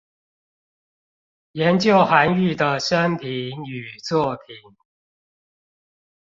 研究韓愈的生平與作品